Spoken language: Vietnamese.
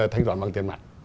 thanh toán bằng tiền mặt